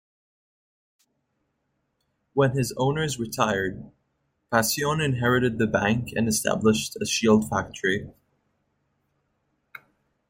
When his owners retired, Pasion inherited the bank and established a shield factory.